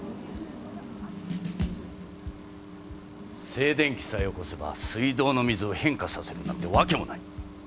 静電気さえ起こせば水道の水を変化させるなんて訳もない。